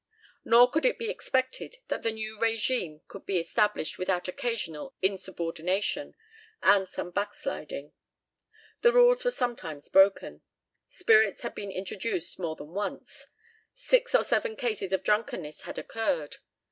Nor could it be expected that the new régime could be established without occasional insubordination and some backsliding. The rules were sometimes broken. Spirits had been introduced more than once; six or seven cases of drunkenness had occurred.